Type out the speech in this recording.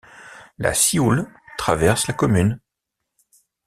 La Sioule traverse la commune.